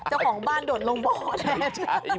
เจ้าของบ้านโดดลงบ่อแส